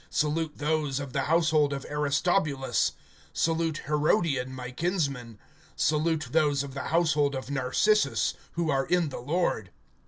Salute those of the household of Aristobulus. (11)Salute Herodion my kinsman. Salute those of the household of Narcissus, who are in the Lord.